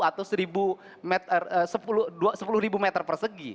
atau sepuluh meter persegi